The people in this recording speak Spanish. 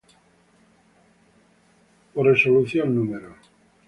Por resolución No.